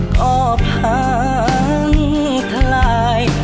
ก็พังทลาย